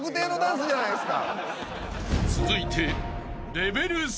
［続いて］